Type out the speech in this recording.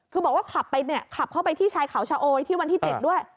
คือบอกว่าขับเข้าไปที่ชายเขาชะโอยที่วันที่๗ด้วย